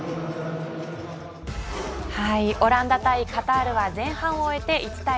オランダ対カタールは前半を終えて１対０